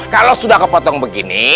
kalo sudah kepotong begini